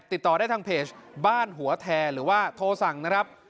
ติดต่อได้ทางเพจบ้านหัวแทหรือว่าโทรสั่งนะครับ